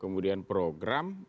kemudian program kemudian program